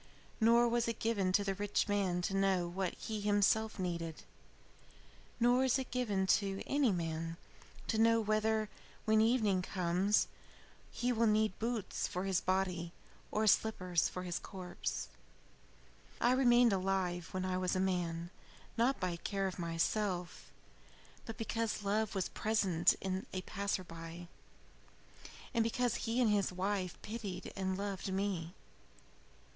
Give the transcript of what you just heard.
Nor was it given to the rich man to know what he himself needed. Nor is it given to any man to know whether, when evening comes, he will need boots for his body or slippers for his corpse. "I remained alive when I was a man, not by care of myself, but because love was present in a passer by, and because he and his wife pitied and loved me.